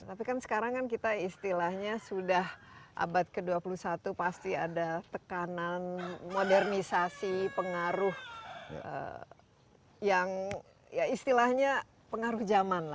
tapi kan sekarang kan kita istilahnya sudah abad ke dua puluh satu pasti ada tekanan modernisasi pengaruh yang ya istilahnya pengaruh zaman lah